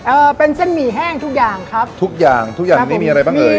เอ่อเป็นเส้นหมี่แห้งทุกอย่างครับทุกอย่างทุกอย่างนี้มีอะไรบ้างเอ่ย